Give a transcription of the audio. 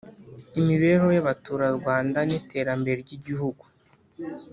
imibereho y abaturarwanda n iterambere ry igihugu